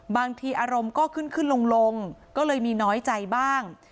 บางทีอารมณ์ก็ขึ้นขึ้นลงก็เลยมีน้อยใจบ้าง